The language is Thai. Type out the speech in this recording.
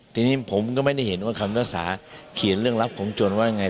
ทีนี้ผมก็ไม่ได้เห็นว่าคำรักษาเขียนเรื่องลับของจนว่ายังไง